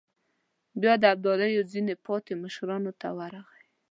بيا د ابداليو ځينو پاتې مشرانو ته ورغی.